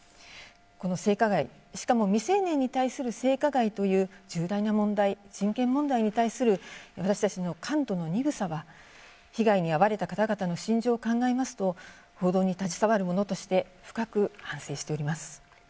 この性加害、しかも未成年に対する性加害という重大な問題、人権問題に対する私たちの感度の鈍さは被害に遭われた方々の心情を考えますと報道に携わる者として深く反省しております。